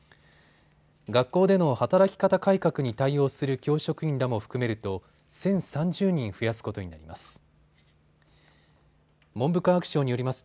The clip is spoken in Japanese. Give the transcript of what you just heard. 学校での働き方改革に対応する教職員らも含めると１０３０人増やすことになります。